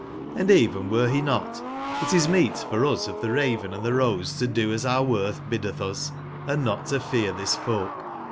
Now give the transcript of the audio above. End even were be not, it is meet for us of tbe Raven and tbe Rose to do as our wortb biddetb us, & not to fear tbis folk.